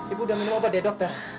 ibu udah minum obat ya dokter